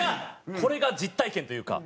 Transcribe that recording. これが実体験というか